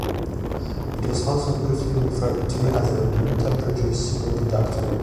It was also briefly referred to as a room-temperature superconductor.